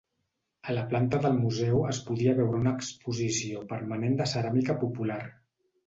A la planta del museu es podia veure una exposició permanent de ceràmica popular.